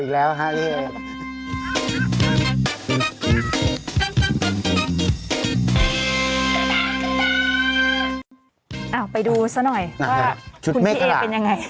แล้วใส่ชุดนาวได้ยังไงก่อน